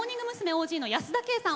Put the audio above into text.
ＯＧの保田圭さん